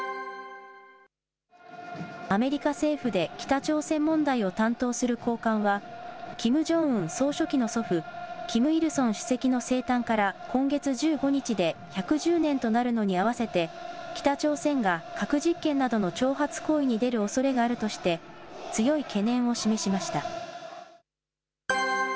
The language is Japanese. アメリカ政府で北朝鮮問題を担当する高官は、キム・ジョンウン総書記の祖父、キム・イルソン主席の生誕から、今月１５日で１１０年となるのに合わせて、北朝鮮が核実験などの挑発行為に出るおそれがあるとして、強い懸念を示しました。